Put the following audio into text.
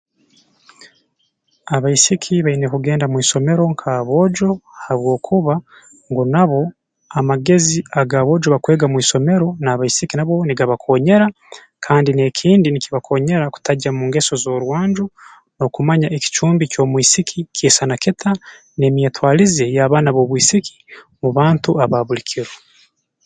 Abaisiki baine kugenda mu isomero nk'aboojo habwokuba ngu nabo amagezi aga aboojo bakwega mu isomero n'abaisiki nabo nigabakoonyera kandi n'ekindi nikibakoonyera kutagya mu ngeso z'orwanju n'okumanya ekicumbi ky'omwisiki kiisana kita n'emyetwalize y'abaana b'obwisiki mu bantu aba buli kiro